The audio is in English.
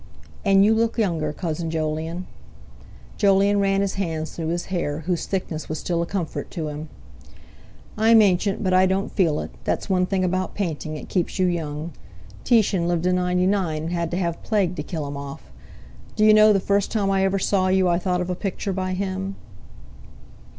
"And you look younger, Cousin Jolyon." Jolyon ran his hands through his hair, whose thickness was still a comfort to him. "I'm ancient, but I don't feel it. That's one thing about painting, it keeps you young. Titian lived to ninety nine, and had to have plague to kill him off. Do you know, the first time I ever saw you I thought of a picture by him?"